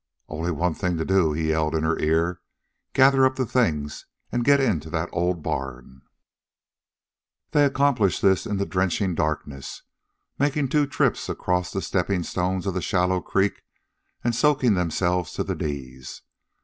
"Only one thing to do," he yelled in her ear. " Gather up the things an' get into that old barn." They accomplished this in the drenching darkness, making two trips across the stepping stones of the shallow creek and soaking themselves to the knees.